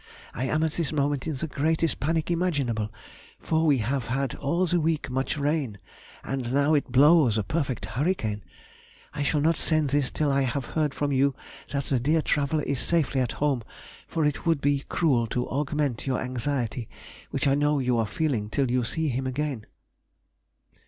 I am at this moment in the greatest panic imaginable, for we have had all the week much rain, and now it blows a perfect hurricane. I shall not send this till I have heard from you that the dear traveller is safely at home, for it would be cruel to augment your anxiety, which I know you are feeling till you see him again.